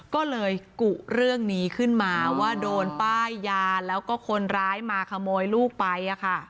ก็เลยกุเรื่องนี้ขึ้นมาว่าโดนป้ายยาแล้วก็คนร้ายมาขโมยลูกไป